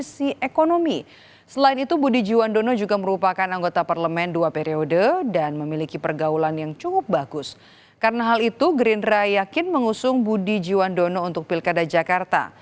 karena hal itu gerindra yakin mengusung budi jiwandono untuk pilkada jakarta